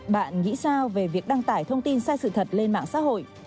bạn nghĩ sao về việc đăng tải thông tin sai sự thật lên mạng xã hội